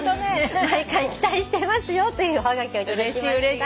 「毎回期待してますよ」というおはがきを頂きました。